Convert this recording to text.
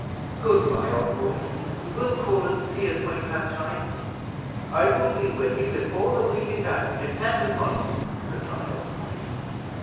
Good by, Oswald, you will call and see us when you have time?" "I will be with you before the week is out, depend upon it," replied Oswald.